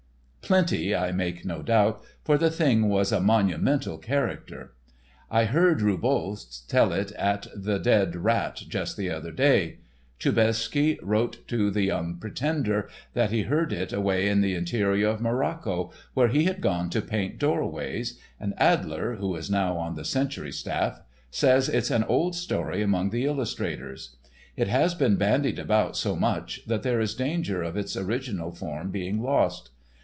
Plenty, I make no doubt, for the thing was a monumental character. I heard Roubault tell it at the "Dead Rat" just the other day. "Choubersky" wrote to "The Young Pretender" that he heard it away in the interior of Morocco, where he had gone to paint doorways, and Adler, who is now on the "Century" staff, says it's an old story among the illustrators. It has been bandied about so much that there is danger of its original form being lost.